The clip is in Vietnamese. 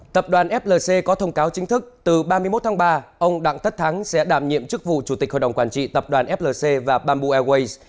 tập đoàn flc có thông cáo chính thức từ ba mươi một tháng ba ông đặng tất thắng sẽ đảm nhiệm chức vụ chủ tịch hội đồng quản trị tập đoàn flc và bamboo airways